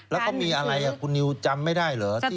แล้วก็มีอะไรคุณนิวจำไม่ได้เหรอ